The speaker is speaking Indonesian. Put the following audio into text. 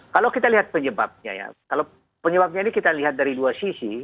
kalau kita lihat penyebabnya ya kalau penyebabnya ini kita lihat dari dua sisi